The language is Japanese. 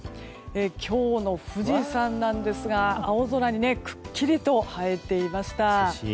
今日の富士山なんですが、青空にくっきりと映えていました。